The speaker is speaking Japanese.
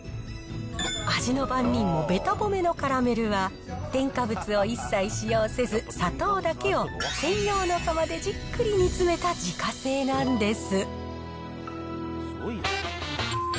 味の番人もべた褒めのカラメルは、添加物を一切使用せず、砂糖だけを専用の釜でじっくり煮詰めた自家製なんです。